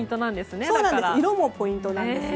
色もポイントなんですね。